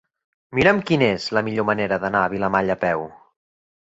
Mira'm quina és la millor manera d'anar a Vilamalla a peu.